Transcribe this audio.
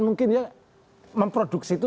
mungkin ya memproduksi itu